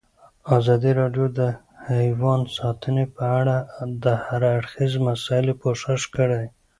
ازادي راډیو د حیوان ساتنه په اړه د هر اړخیزو مسایلو پوښښ کړی.